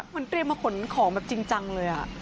มันเตรียมมาขนของแบบจริงจังเลยอ่ะ